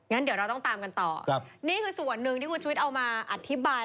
งั้นเดี๋ยวเราต้องตามกันต่อนี่คือส่วนหนึ่งที่คุณชุวิตเอามาอธิบาย